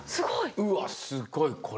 うわすっごいこれ。